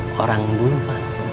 lagi nunggu orang dulu pak